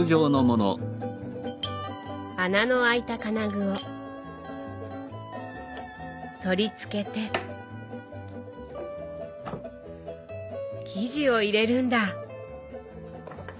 穴のあいた金具を取り付けて生地を入れるんだ！